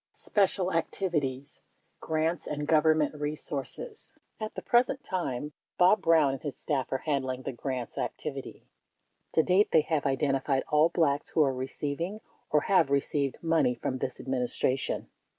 376 Special Activities: Grants and Government Resources At the present time, Bob Brown and his staff are handling the grants activity. To date, they have identified all Blacks who are receiving, or have received, money from this Admin istration.